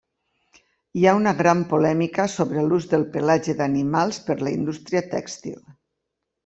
Hi ha una gran polèmica sobre l'ús del pelatge d'animals per la indústria tèxtil.